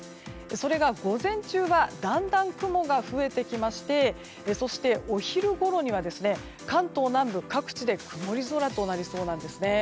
それが午前中だんだん雲が増えてきましてそして、お昼ごろには関東南部各地で曇り空となりそうなんですね。